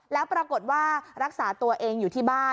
แล้วปรากฏว่ารักษาตัวเองอยู่ที่บ้าน